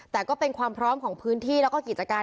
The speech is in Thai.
แต่ก็เป็นความพร้อมของพื้นที่แล้วก็กิจการ